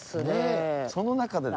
その中で。